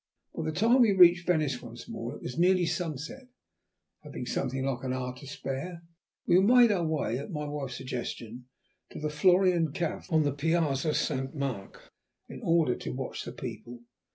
By the time we reached Venice once more it was nearly sunset. Having something like an hour to spare we made our way, at my wife's suggestion, to the Florian café on the piazza of Saint Mark in order to watch the people.